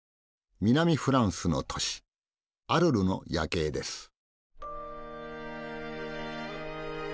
南フランスの都市アルルの夜景です。